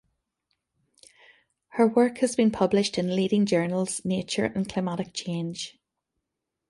Her work has been published in leading journals Nature and Climatic Change.